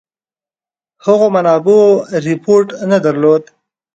هغو منابعو رپوټ نه درلوده.